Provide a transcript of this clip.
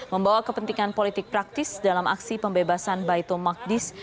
membawa kepentingan politik praktis dalam aksi pembebasan baitul maqdis